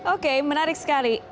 oke menarik sekali